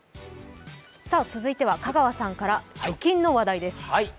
続いては香川さんから貯金の話題です。